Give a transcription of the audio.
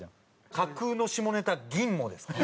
架空の下ネタギンモですかね。